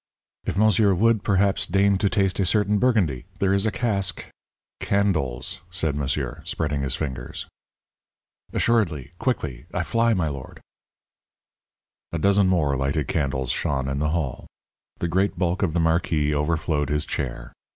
"If monsieur would, perhaps, deign to taste a certain Burgundy there is a cask " "Candles," said monsieur, spreading his fingers. "Assuredly quickly I fly, my lord." A dozen more lighted candles shone in the hall. The great bulk of the marquis overflowed his chair.